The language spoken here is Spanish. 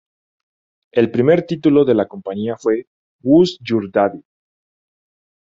El primer título de la compañía fue "Who's Your Daddy?